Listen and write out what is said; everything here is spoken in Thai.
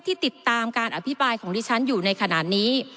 ติดตามการอภิปรายของดิฉันอยู่ในขณะนี้